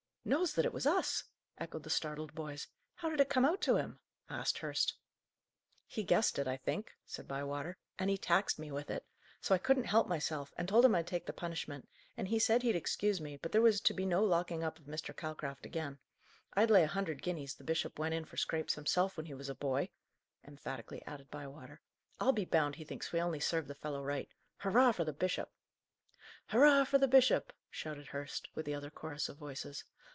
"Knows that it was us!" echoed the startled boys. "How did it come out to him?" asked Hurst. "He guessed it, I think," said Bywater, "and he taxed me with it. So I couldn't help myself, and told him I'd take the punishment; and he said he'd excuse us, but there was to be no locking up of Mr. Calcraft again. I'd lay a hundred guineas the bishop went in for scrapes himself, when he was a boy!" emphatically added Bywater. "I'll be bound he thinks we only served the fellow right. Hurrah for the bishop!" "Hurrah for the bishop!" shouted Hurst, with the other chorus of voices.